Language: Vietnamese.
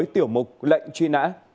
tiểu mục lệnh truy nã